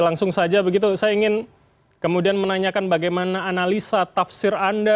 langsung saja begitu saya ingin kemudian menanyakan bagaimana analisa tafsir anda